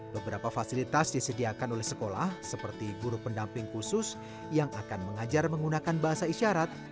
beberapa fasilitas disediakan oleh sekolah seperti guru pendamping khusus yang akan mengajar menggunakan bahasa isyarat